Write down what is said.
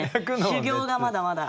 修業がまだまだ。